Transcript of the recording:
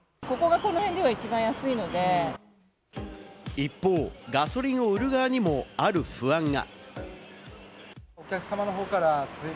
一方、ガソリンを売る側にも、ある不安が。